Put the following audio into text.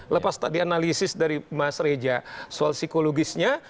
lepas tadi analisis dari mas reja soal psikologisnya